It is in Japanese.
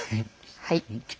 はい。